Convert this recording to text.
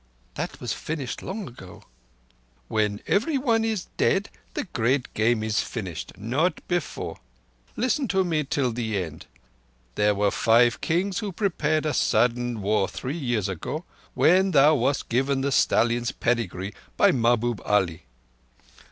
That was finished long ago." "When everyone is dead the Great Game is finished. Not before. Listen to me till the end. There were Five Kings who prepared a sudden war three years ago, when thou wast given the stallion's pedigree by Mahbub Ali.